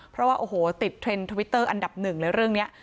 เพราะว่าโอ้โหติดเทรนด์ทวิตเตอร์อันดับหนึ่งเลยเรื่องนี้